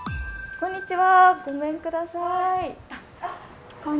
こんにちは。